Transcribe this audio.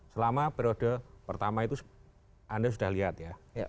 selama periode pertama itu anda sudah lihat ya